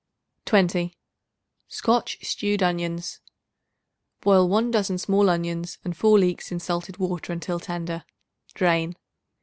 20. Scotch Stewed Onions. Boil 1 dozen small onions and 4 leeks in salted water until tender; drain.